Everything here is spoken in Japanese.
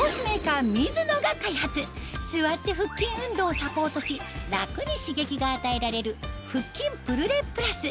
座って腹筋運動をサポートし楽に刺激が与えられる腹筋プルレプラス